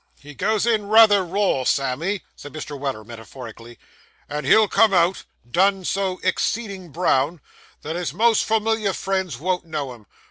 'He goes in rayther raw, Sammy,' said Mr. Weller metaphorically, 'and he'll come out, done so ex ceedin' brown, that his most formiliar friends won't know him.